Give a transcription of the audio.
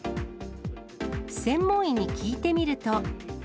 専門医に聞いてみると。